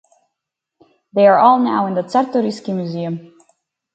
They are all now in the Czartoryski Museum.